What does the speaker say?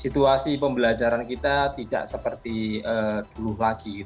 situasi pembelajaran kita tidak seperti dulu lagi